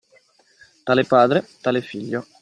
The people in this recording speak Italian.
Tale padre, tale figlio.